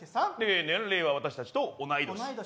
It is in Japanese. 年齢は私たちと同い年。